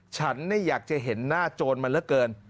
ฉันอยากจะเห็นหน้าโจรมันเหลือเกิน